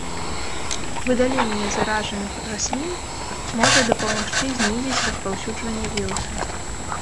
Выдаленне заражаных раслін можа дапамагчы знізіць распаўсюджванне віруса.